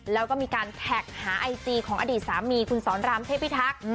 แล้วก็มีการแท็กหาไอจีของอดีตสามีคุณสอนรามเทพิทักษ์